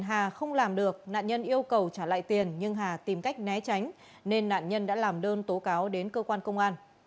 hà không làm được nạn nhân yêu cầu trả lại tiền nhưng hà tìm cách né tránh nên nạn nhân đã làm đơn tố cáo đến cơ quan công an